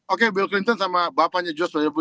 oke bill clinton sama bapaknya george w bush